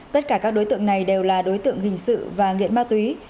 tất cả các đối tượng này đều là đối tượng hình sự và nghiện ma túy